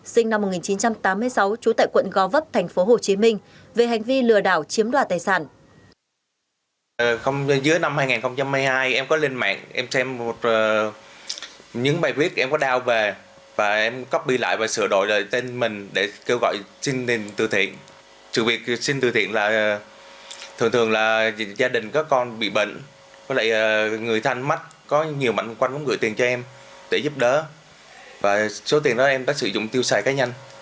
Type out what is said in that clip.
sinh năm một nghìn chín trăm tám mươi sáu trú tại quận go vấp tp hcm về hành vi lừa đảo chiếm đoạt tài sản